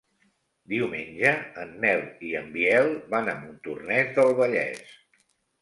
Diumenge en Nel i en Biel van a Montornès del Vallès.